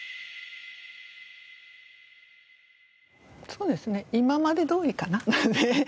そうですね今までどおりかな。